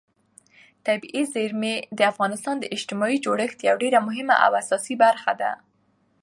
طبیعي زیرمې د افغانستان د اجتماعي جوړښت یوه ډېره مهمه او اساسي برخه ده.